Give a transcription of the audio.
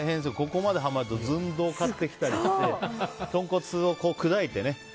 ここまではまると寸胴買ってきたりして豚骨を砕いてね。